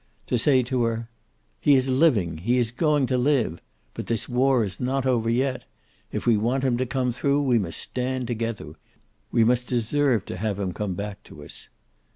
To say to her, "He is living. He is going to live. But this war is not over yet. If we want him to come through, we must stand together. We must deserve to have him come back to us."